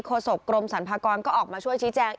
โศกกรมสรรพากรก็ออกมาช่วยชี้แจง